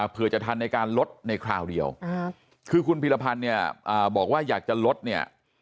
เพื่อจะทันในการลดในคราวเดียวคือคุณพิรพันธ์เนี่ยบอกว่าอยากจะลดเนี่ย